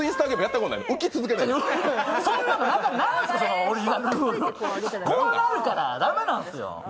こうなるからだめなんですよ！